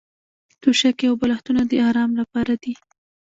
توشکې او بالښتونه د ارام لپاره دي.